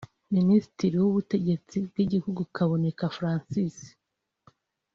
Minisitiri w’Ubutegetsi bw’Igihugu Kaboneka Francis